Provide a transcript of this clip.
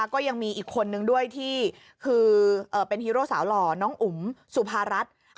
ก็ยังมีอีกคนนึงด้วยที่คือเป็นฮีโร่สาวหล่อน้องอุ๋มสุภารัฐ